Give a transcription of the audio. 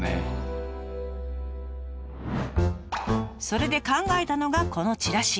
それで考えたのがこのチラシ。